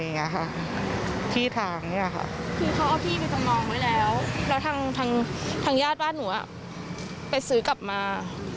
คือเขาเอาที่ไปตรงนองไว้แล้วแล้วทางญาติบ้านหนูไปซื้อกลับมา